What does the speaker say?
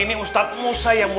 siap tenang kak